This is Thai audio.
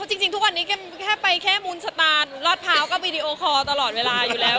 จริงทุกวันนี้แค่ไปแค่มูลสตานรอดพร้าวก็วีดีโอคอร์ตลอดเวลาอยู่แล้ว